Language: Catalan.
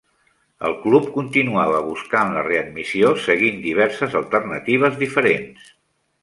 El club continuava buscant la readmissió seguint diverses alternatives diferents.